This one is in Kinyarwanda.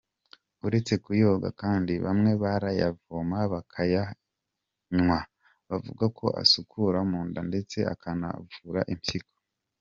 Uretse kuyoga kandi bamwe barayavoma bakayanywa, bavuga ko asukura mu nda ndetse akanabavura impyiko .